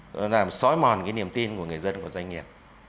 nó làm xói mòn cái niềm tin của người dân và doanh nghiệp